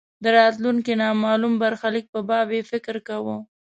د راتلونکې نامالوم برخلیک په باب یې فکر کاوه.